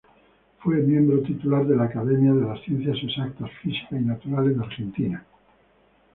Fue miembro titular de la Academia de Ciencias Exactas, Físicas y Naturales de Argentina.